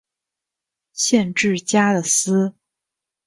县治加的斯。